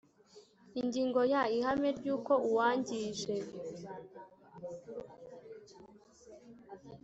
ingingo ya ihame ry uko uwangije